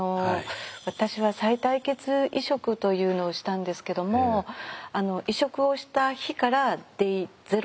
私はさい帯血移植というのをしたんですけども移植をした日からｄａｙゼロと数えて。